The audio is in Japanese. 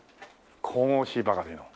神々しいばかりの。